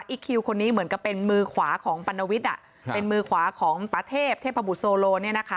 คิวคนนี้เหมือนกับเป็นมือขวาของปัณวิทย์เป็นมือขวาของปะเทพเทพบุตรโซโล